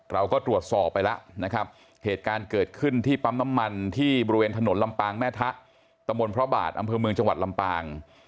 เราก็ตรวจสอบไปแล้วนะครับเหตุการณ์เกิดขึ้นที่ปั๊มน้ำมันที่บริเวณถนนลำปางแม่ทะตะมนต์พระบาทอำเภอเมืองจังหวัดลำปาง